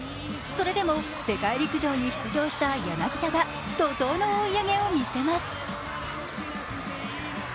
それでも世界陸上に出場した柳田が怒とうの追い上げを見せます。